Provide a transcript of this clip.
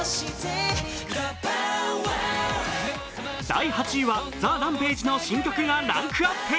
第８位はＴＨＥＲＡＭＰＡＧＥの新曲がランクアップ。